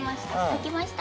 書きました。